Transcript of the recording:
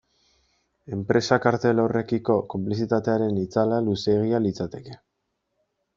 Enpresa kartel horrekiko konplizitatearen itzala luzeegia litzateke.